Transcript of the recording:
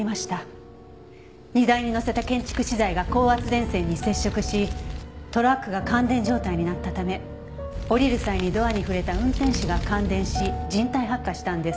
荷台に載せた建築資材が高圧電線に接触しトラックが感電状態になったため降りる際にドアに触れた運転手が感電し人体発火したんです。